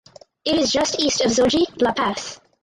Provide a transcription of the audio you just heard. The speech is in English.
It is just east of Zoji La Pass.